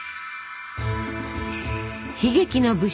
悲劇の武将